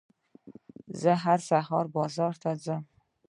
زه هر سهار بازار ته ځم.